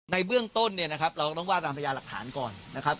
ในเบื้องต้นเนี่ยนะครับเราต้องว่าตามพยานหลักฐานก่อนนะครับ